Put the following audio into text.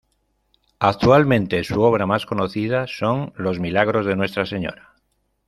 Actualmente, su obra más conocida son los "Milagros de Nuestra Señora".